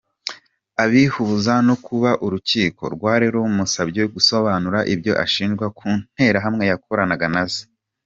Abihuza no kuba urukiko rwari rumusabye gusobanura ibyo ashinjwa ku Nterahamwe yakoranaga na zo.